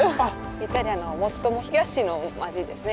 イタリアの最も東の街ですね。